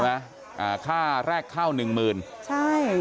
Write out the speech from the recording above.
ใช่ไหมค่าแรกข้าว๑๐๐๐๐บาท